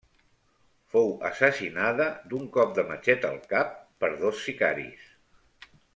Fou assassinada d'un cop de matxet al cap per dos sicaris.